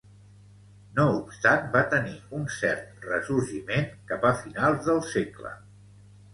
No obstant va tenir un cert ressorgiment cap a finals del segle.